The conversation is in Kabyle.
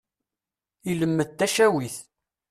Ilemmed tacawit.